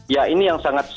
ya ini yang sangat